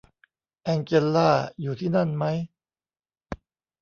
แองเจลล่าอยู่ที่นั่นมั้ย